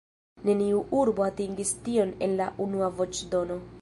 Neniu urbo atingis tion en la unua voĉdono.